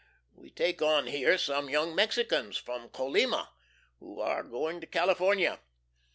We take on here some young Mexicans, from Colima, who are going to California.